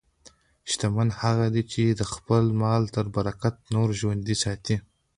شتمن هغه دی چې د خپل مال له برکته نور ژوندي ساتي.